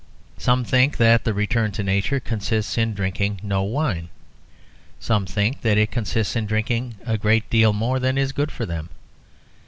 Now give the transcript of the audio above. Some think that the return to nature consists in drinking no wine; some think that it consists in drinking a great deal more than is good for them.